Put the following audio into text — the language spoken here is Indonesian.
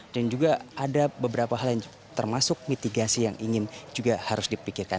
dan juga ada beberapa hal yang termasuk mitigasi yang ingin juga harus dipikirkan